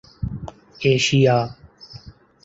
Asia